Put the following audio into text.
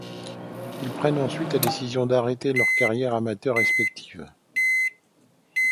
Ils prennent ensuite la décision d'arrêter leurs carrières amateurs respectives.